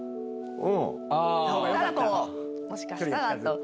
もしかしたら。